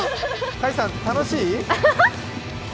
甲斐さん、楽しい？